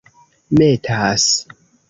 metas